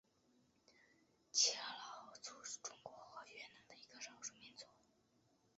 仡佬族是中国和越南的一个少数民族。